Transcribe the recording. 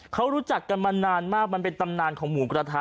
เขารู้จักกันมานานมากมันเป็นตำนานของหมูกระทะ